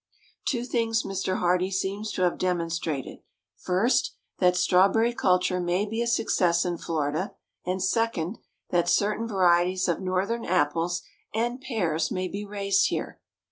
Two things Mr. Hardee seems to have demonstrated: first, that strawberry culture may be a success in Florida; and, second, that certain varieties of Northern apples and pears may be raised here.